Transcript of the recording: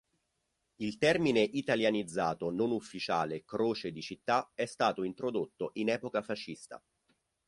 Il termine italianizzato non ufficiale "Croce di città" è stato introdotto in epoca fascista.